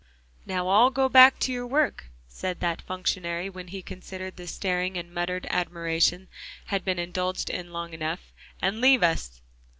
"Now all go back to your work," said that functionary when he considered the staring and muttered admiration had been indulged in long enough, "and leave us."